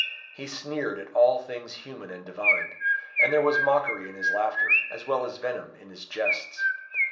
He sneered at all things human and divine; and there was mockery in his laughter, as well as venom in his jests.